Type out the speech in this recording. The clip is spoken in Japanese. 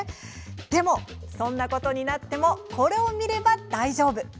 でも、そんなことになってもこれを見れば大丈夫！